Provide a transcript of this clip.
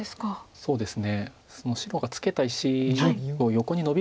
そうですね。